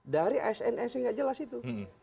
dari asn asn yang tidak jelas itu